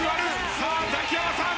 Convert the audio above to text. さあザキヤマさん